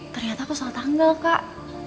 ternyata aku salah tanggal kak